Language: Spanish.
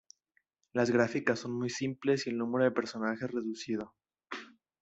Las gráficas son muy simples y el número de personajes reducido.